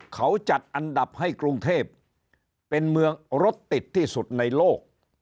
เขาจัดอันดับให้กรุงเทพเป็นเมืองรถติดที่สุดในโลก